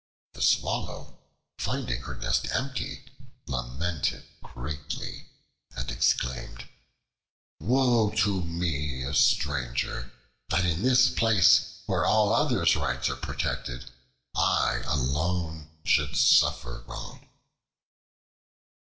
The Swallow, finding her nest empty, lamented greatly and exclaimed: "Woe to me a stranger! that in this place where all others' rights are protected, I alone should suffer wrong."